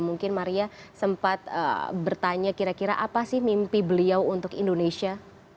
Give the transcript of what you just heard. mungkin maria sempat bertanya kira kira apa sih mimpi beliau untuk indonesia